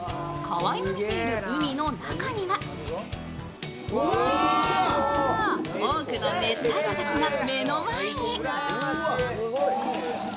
河井が見ている海の中には多くの熱帯魚たちが目の前に。